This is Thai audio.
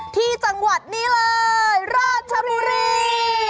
ที่จังหวัดนี้เลยราชบุรี